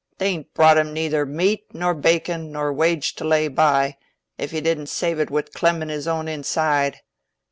They'n brought him neyther me at nor be acon, nor wage to lay by, if he didn't save it wi' clemmin' his own inside.